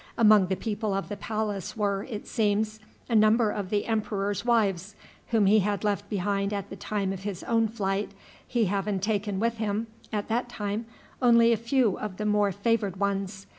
Among the people of the palace were, it seems, a number of the emperor's wives, whom he had left behind at the time of his own flight, he having taken with him at that time only a few of the more favored ones.